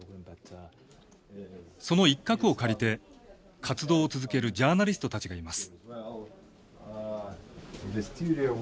その一角を借りて活動を続けるジャーナリストたちがいます。